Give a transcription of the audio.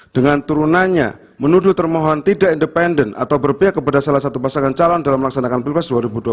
dengan turunannya menuduh termohon tidak independen atau berpihak kepada salah satu pasangan calon dalam melaksanakan pilpres dua ribu dua puluh